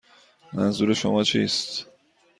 منظور شما چیست؟